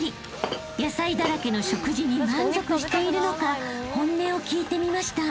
［野菜だらけの食事に満足しているのか本音を聞いてみました］